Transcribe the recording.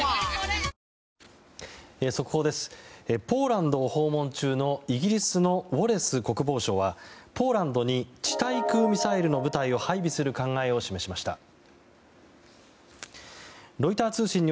ポーランドを訪問中のイギリスのウォレス国防相はポーランドに地対空ミサイルの部隊を配備する考えを示しました。